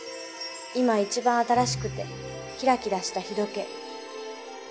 今一番新しくてキラキラした日時計。